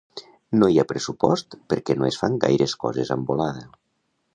No hi ha pressupost perquè no es fan gaires coses amb volada